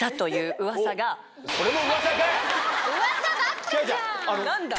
噂ばっかじゃん。